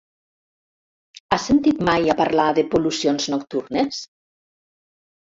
Has sentit mai a parlar de pol·lucions nocturnes?